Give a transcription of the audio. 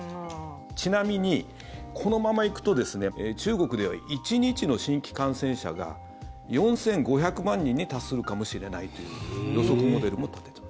ちなみにこのまま行くと中国では１日の新規感染者が４５００万人に達するかもしれないという予測モデルも立てている。